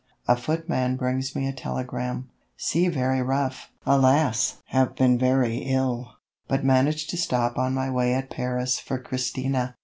A footman brings me a telegram: "Sea very rough! Alas! Have been very ill, but managed to stop on my way at Paris for Christina.